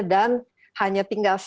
dan hanya tinggal sempat